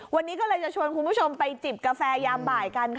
วันนี้ก็เลยจะชวนคุณผู้ชมไปจิบกาแฟยามบ่ายกันค่ะ